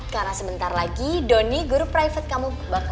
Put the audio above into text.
karena sebentar lagi donny guru private kamu bakalan datang